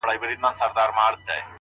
كومه يوه خپله كړم _